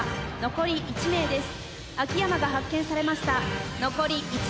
残り１名です。